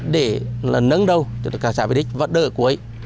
để nâng đầu cho các xã việt đích và đợi cuối